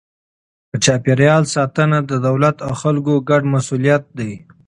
د چاپیریال ساتنه د دولت او خلکو ګډه مسئولیت دی.